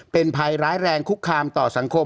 เป็นภัยร้ายแรงคุกคามต่อสังคม